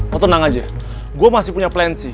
lo tenang aja gue masih punya plan c